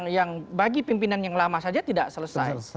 yang bagi pimpinan yang lama saja tidak selesai